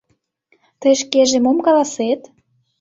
— Тый шкеже мом каласет?